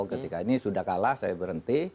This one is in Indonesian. ketika ini sudah kalah saya berhenti